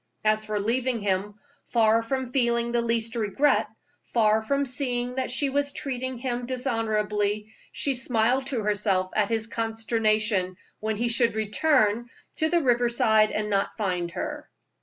As for leaving him far from feeling the least regret, far from seeing that she was treating him dishonorably, she smiled to herself at his consternation when he should return to the river side and not find her.